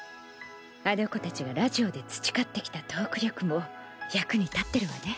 あの子たちがラジオで培ってきたトーク力も役に立ってるわね。